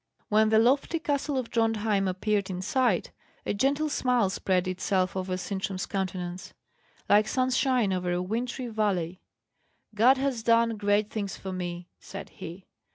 When the lofty castle of Drontheim appeared in sight, a gentle smile spread itself over Sintram's countenance, like sunshine over a wintry valley. "God has done great things for me," said he.